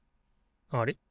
あれ？